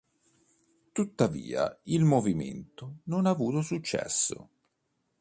Tuttavia, il movimento non ha avuto successo.